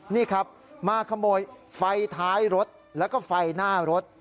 นี่ครับมาขโมยไฟท้ายรถแล้วก็ไฟหน้ารถ